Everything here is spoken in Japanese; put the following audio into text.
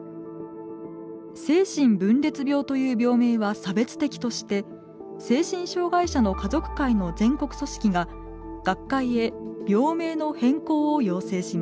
「精神分裂病」という病名は差別的として精神障害者の家族会の全国組織が学会へ病名の変更を要請します。